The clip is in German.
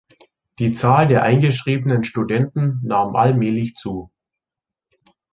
Die Zahl der eingeschriebenen Studenten nahm allmählich zu.